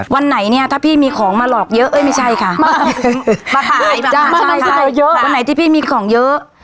วันไหนเนี่ยถ้าพี่มีของมาหลอกเยอะเอ้ยไม่ใช่ค่ะมาขายบ้างใช่เยอะวันไหนที่พี่มีของเยอะ